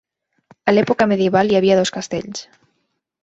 A l'època medieval hi havia dos castells.